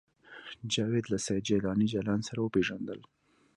جاوید له سید جلاني جلان سره وپېژندل